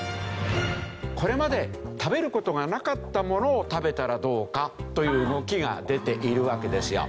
これまで食べる事がなかったものを食べたらどうかという動きが出ているわけですよ。